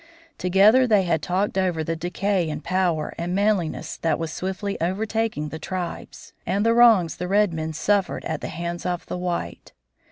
Together they had talked over the decay in power and manliness that was swiftly overtaking the tribes, and the wrongs the red men suffered at the hands of the white.